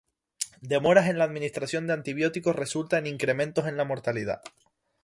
Demoras en la administración de antibióticos resulta en incrementos en la mortalidad.